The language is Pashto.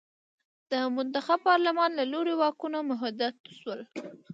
د منتخب پارلمان له لوري واکونه محدود شول.